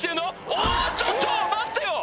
おおちょっと待ってよ